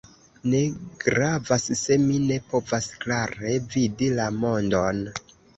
Ne gravas se mi ne povas klare vidi la mondon.